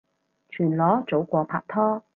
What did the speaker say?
全裸早過拍拖